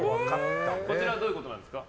こちらはどういうことなんですか？